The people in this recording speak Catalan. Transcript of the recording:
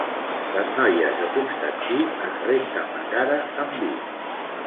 Les noies de Constantí es renten la cara amb vi.